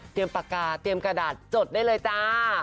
ปากกาเตรียมกระดาษจดได้เลยจ้า